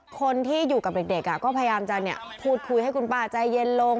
คนที่อยู่กับเด็กก็พยายามจะพูดคุยให้คุณป้าใจเย็นลง